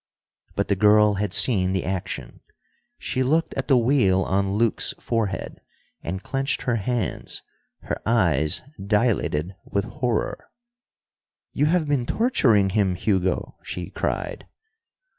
But the girl had seen the action. She looked at the weal on Luke's forehead, and clenched her hands; her eyes dilated with horror. "You have been torturing him, Hugo!" she cried.